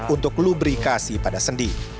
untuk lubrikasi pada sendi